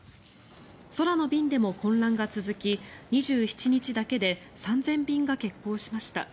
空の便でも混乱が続き２７日だけで３０００便が欠航しました。